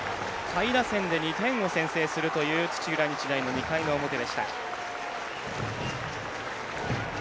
下位打線で２点を先制するという土浦日大の２回の表でした。